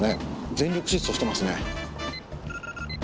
全力疾走してますね。